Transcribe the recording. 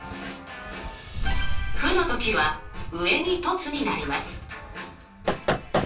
負の時は上に凸になります。